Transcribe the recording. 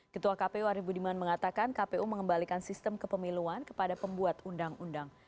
ketua kpu arief budiman mengatakan kpu mengembalikan sistem kepemiluan kepada pembuat undang undang